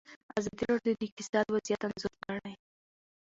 ازادي راډیو د اقتصاد وضعیت انځور کړی.